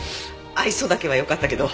愛想だけは良かったけど。